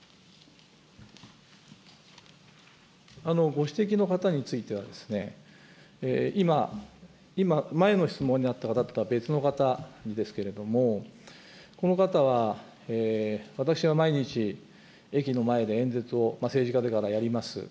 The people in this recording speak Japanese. ご指摘の方については、今、前の質問にあったのとは別の方ですけれども、この方は、私が毎日、駅の前で演説を、政治家だからやります。